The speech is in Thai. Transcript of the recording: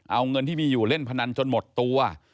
เอาเงินที่มีอยู่เล่นพนันจนหมดตัว